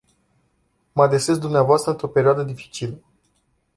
Mă adresez dumneavoastră într-o perioadă dificilă.